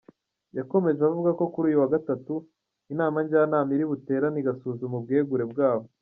Yakomeje avuga ko kuri uyu wa gatatu, Inama Njyanama iri buterane igasuzuma ubwegure bwabo.